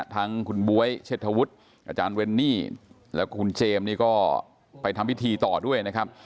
ทั้งคุณบ๊วยเชษฐวุฒิอาจารย์เวนนี่แล้วก็คุณเจมส์นี่ก็ไปทำพิธีต่อด้วยนะครับ